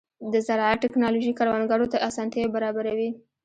د زراعت ټیکنالوژي کروندګرو ته اسانتیاوې برابروي.